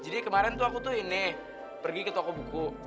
jadi kemarin tuh aku tuh ini pergi ke toko buku